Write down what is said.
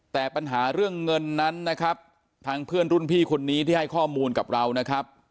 แต่ปัญหาเรื่องเงินนั้นนะครับทางเพื่อนรุ่นพี่คนนี้ที่ให้ข้อมูลกับเรานะครับ